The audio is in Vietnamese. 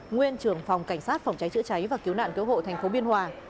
nguyên trưởng phòng cảnh sát phòng cháy chữa cháy và cứu nạn cứu hộ thành phố biên hòa